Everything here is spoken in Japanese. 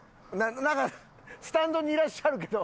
なんかスタンドにいらっしゃるけど。